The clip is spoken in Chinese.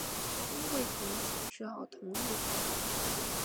魏桓子只好同意了。